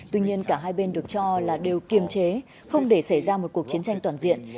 tuy nhiên cả hai bên được cho là đều kiềm chế không để xảy ra một cuộc chiến tranh toàn diện